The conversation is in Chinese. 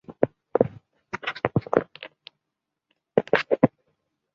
它主要被使用来举办足球和田径赛事。